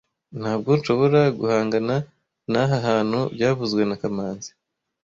Ntabwo nshobora guhangana n'aha hantu byavuzwe na kamanzi